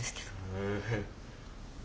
へえ。